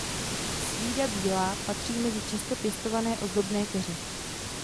Svída bílá patří mezi často pěstované ozdobné keře.